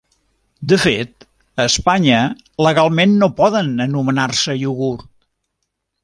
De fet, a Espanya legalment no poden anomenar-se iogurt.